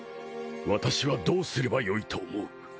私はどうすればよいと思う？